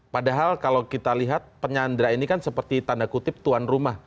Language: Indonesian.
padahal kalau kita lihat penyandra ini kan seperti tanda kutip tuan rumah